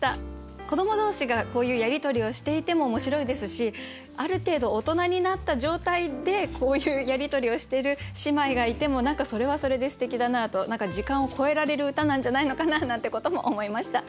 子ども同士がこういうやり取りをしていても面白いですしある程度大人になった状態でこういうやり取りをしている姉妹がいても何かそれはそれですてきだなと。何か時間を越えられる歌なんじゃないのかななんてことも思いました。